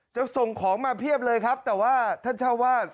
จะส่งของมาเพียบเลยครับแต่ว่าท่านเจ้าวาด